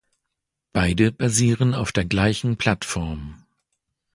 Beide basieren auf der gleichen Plattform.